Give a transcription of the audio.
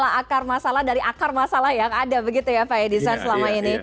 akar masalah dari akar masalah yang ada begitu ya pak edison selama ini